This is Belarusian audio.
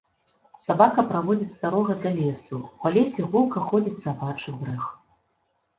Сабака праводзіць старога да лесу, па лесе гулка ходзіць сабачы брэх.